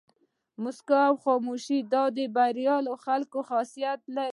موسکا او خاموشي دا د بریالي خلکو خاصیت دی.